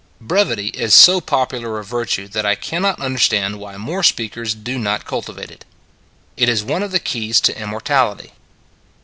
Brevity is so popular a virtue that I can not understand why more speakers do not cultivate it. It is one of the keys to immortality.